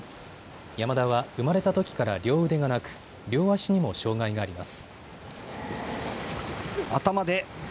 山田は生まれたときから両腕がなく、両足にも障害があります。